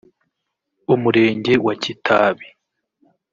Umurenge wa Kitabi